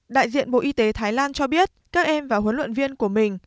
đại diện bộ y tế thái lan cho biết các em và huấn luyện viên của mình